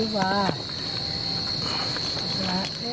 ขอบคุณครับ